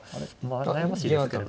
悩ましいですけど。